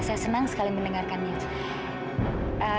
saya senang sekali mendengarkannya